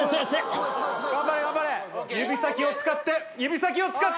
指先を使って、指先を使って。